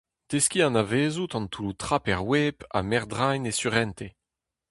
Deskiñ anavezout an toulloù-trap er web ha merdeiñ e surentez.